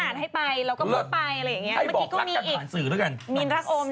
ใช่